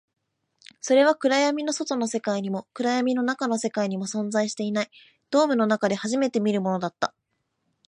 それは暗闇の外の世界にも、暗闇の中の世界にも存在していない、ドームの中で初めて見るものだった